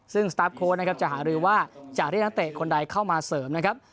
ซึ่งสตาร์ฟโค้ดนะครับจะหารือว่าจะเรียกนักเตะคนใดเข้ามาเสริมนะครับ